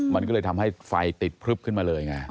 มันก็เลยทำให้ไฟติดพลึบขึ้นมาเลยไง